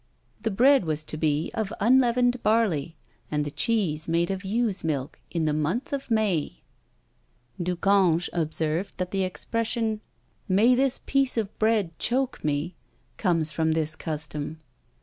The bread was to be of unleavened barley, and the cheese made of ewe's milk in the month of May. Du Cange observed, that the expression "May this piece of bread choke me!" comes from this custom.